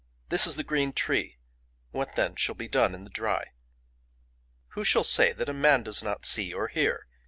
This is the green tree; what then shall be done in the dry? "Who shall say that a man does see or hear?